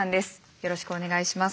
よろしくお願いします。